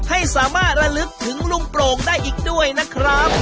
ให้สามารถระลึกถึงลุงโปร่งได้อีกด้วยนะครับ